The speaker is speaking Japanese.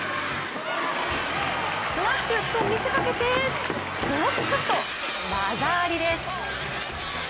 スマッシュと見せかけてドロップショット、技ありです！